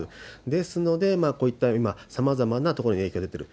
ですので、こういった今、さまざまなところに影響出てる。